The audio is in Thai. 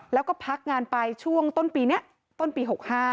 แล้วก็พักงานไปช่วงต้นปีนี้ต้นปี๖๕